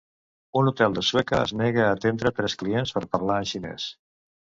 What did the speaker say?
Un hotel de Sueca es nega a atendre tres clientes per parlar en xinès.